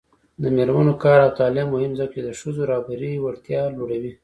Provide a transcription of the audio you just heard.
د میرمنو کار او تعلیم مهم دی ځکه چې ښځو رهبري وړتیا لوړوي.